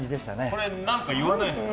これ、何か言わないんですか？